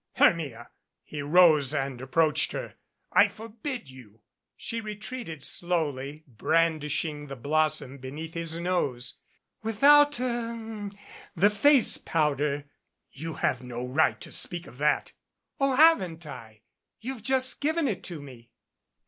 "Hermia!" He rose and approached her. "I forbid you." 177 MADCAP She retreated slowly, brandishing the blossom beneath his nose. "Without er the face powder !" "You have no right to speak of that." "Oh, haven't I? You've just given it to me."